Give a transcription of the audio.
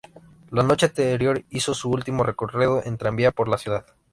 La noche anterior hizo su último recorrido el tranvía por la ciudad.